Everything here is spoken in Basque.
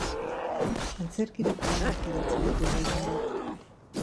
Antzerkirako lanak idatzi ditu gehienbat.